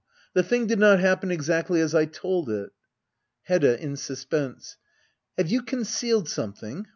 The thing did not happen exactly as I told it. Hedda. [In suspenseJ] Have you concealed something